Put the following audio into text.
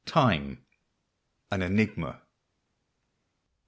TIME. AN ENIGMA.